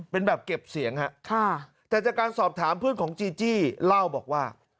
เป็นแบบเก็บเสียงฮะค่ะแต่จากการสอบถามเพื่อนของจีจี้เล่าบอกว่า